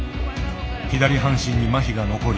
左半身にまひが残り